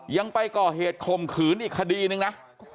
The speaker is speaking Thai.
ยังไปก่อเหตุข่มขืนอีกคดีนึงนะ